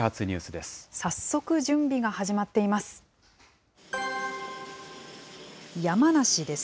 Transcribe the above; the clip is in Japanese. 早速、準備が始まっています。